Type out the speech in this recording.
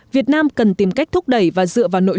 việt nam cần tìm cách thúc đẩy và giúp đỡ các nông nghiệp